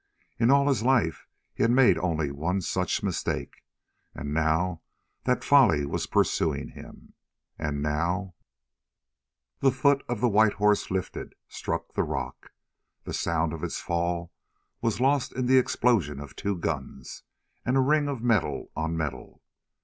In all his life he had made only one such mistake, and now that folly was pursuing him. And now The foot of the white horse lifted struck the rock. The sound of its fall was lost in the explosion of two guns, and a ring of metal on metal.